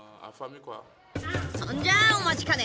そんじゃあお待ちかね！